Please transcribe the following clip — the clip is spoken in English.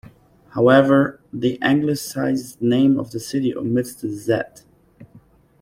However, the Anglicized name of the city omits the "z".